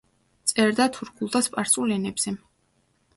წერდა თურქულ და სპარსულ ენებზე.